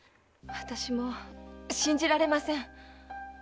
私も信じられません。